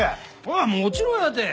ああもちろんやて。